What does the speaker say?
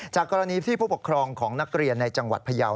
จากกรณีที่ผู้ปกครองของนักเรียนในจังหวัดพยาว